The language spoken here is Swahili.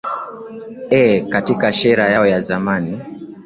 ee katika shera yao ya zamani